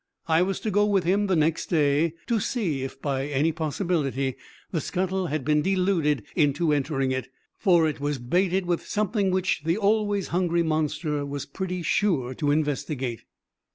I was to go with him the next day to see if by any possibility the scuttle had been deluded into entering it, for it was baited with something which the always hungry monster was pretty sure to investigate.